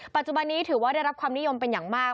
ปัจจุบันนี้ถือว่าได้รับความนิยมเป็นอย่างมาก